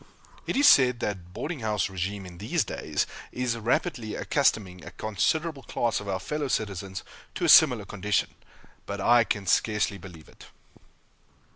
It is said that boarding house régime in these days is rapidly accustoming a considerable class of our fellow citizens to a similar condition, but I can scarcely believe it.